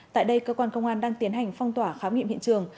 tại đây cơ quan công an đang tiến hành phong tỏa khám nghiệm hiện trường